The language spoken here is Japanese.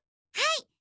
はい。